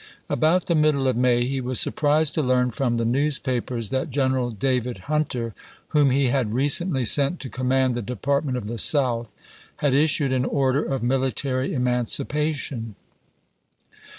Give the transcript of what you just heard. About the 1862. middle of May he was surprised to learn from the newspapers that Greneral David Hunter, whom he had recently sent to command the Department of the South, had issued an order of military emanci pation.